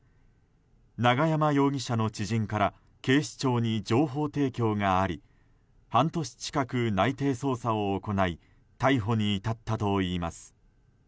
永山容疑者の知人から警視庁に情報提供があり半年近く、内偵捜査を行い逮捕に至ったといいます。